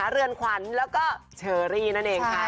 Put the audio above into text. เรือนขวัญแล้วก็เชอรี่นั่นเองค่ะ